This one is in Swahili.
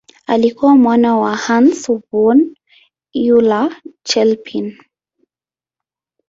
Alikuwa mwana wa Hans von Euler-Chelpin.